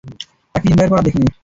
তাকে হিমবাহের পর আর দেখিনি।